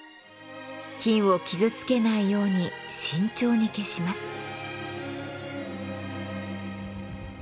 金を傷つけないように慎重に消します。